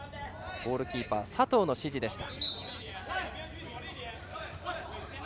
ゴールキーパーの佐藤の指示でした。